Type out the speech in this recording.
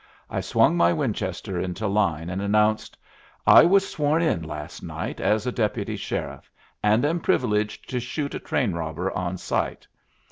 I swung my Winchester into line and announced, "I was sworn in last night as a deputy sheriff, and am privileged to shoot a train robber on sight.